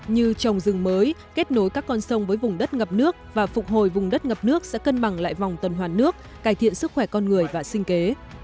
như trồng rừng mới kết nối các con sông với vùng đất ngập nước và phục hồi vùng đất ngập nước sẽ cân bằng lại vòng tuần hoàn nước cải thiện sức khỏe con người và sinh kế